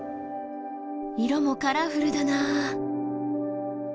色もカラフルだなあ。